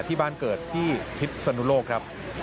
ที่บ้านเกิดที่พิษสนุโลกครับ